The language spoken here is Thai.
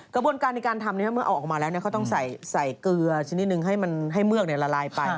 กระบวนการในการทำเมื่อเอาออกมาแล้วเขาต้องใส่เกลือชนิดนึงให้เมือกละลายไป